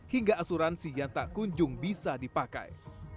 hingga asuransi yang tak kunjung bisa dipakai